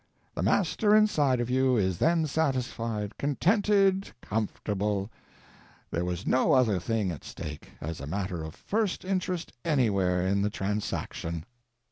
The Master inside of you is then satisfied, contented, comfortable; there was no other thing at stake, as a matter of first interest, anywhere in the transaction.